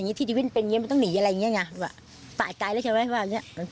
ออกไปเอาไปสังคู่หล่ะถ้าจะใบใจป้า